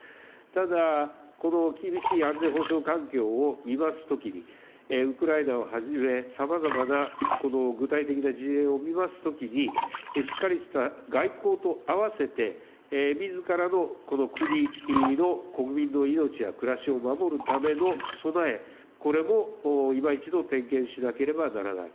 ただ、この厳しい安全保障環境を見ますときに、ウクライナをはじめ、さまざまなこの具体的な事例を見ますときに、しっかりとした外交とあわせて、みずからのこの国の国民の命や暮らしを守るための備え、これも今一度点検しなければならない。